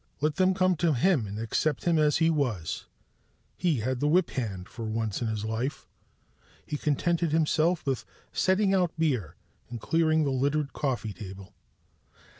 Let them come to him and accept him as he was; he had the whip hand, for once in his life. He contented himself with setting out beer and clearing the littered coffee table.